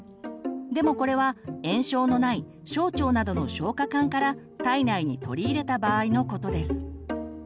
でもこれは炎症のない小腸などの消化管から体内に取り入れた場合のことです。